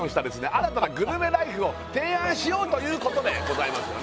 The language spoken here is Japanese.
新たなグルメライフを提案しようということでございますよね